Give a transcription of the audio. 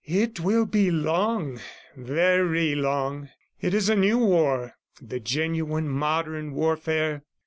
"It will be long ... very long. It is a new war, the genuine modern warfare.